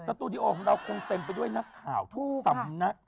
ตูดิโอของเราคงเต็มไปด้วยนักข่าวทุกสำนัก